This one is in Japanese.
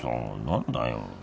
何だよ